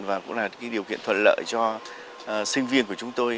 và cũng là điều kiện thuận lợi cho sinh viên của chúng tôi